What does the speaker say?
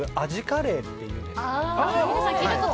カレーっていうんですけど。